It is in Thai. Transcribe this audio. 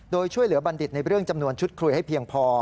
โดยช่วยเหลือบัณฑิตในเรื่องจำนวนชุดคุยให้เพียงพอ